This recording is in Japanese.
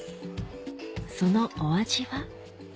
そのお味は？